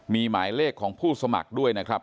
มีหมายเลขของผู้สมัครด้วยนะครับ